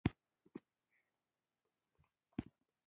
د ډنګر مږ غوښي